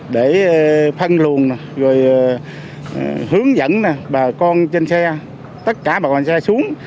để phân luồn rồi hướng dẫn bà con trên xe tất cả bà con xe xuống